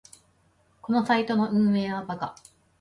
このサイトの運営はバカ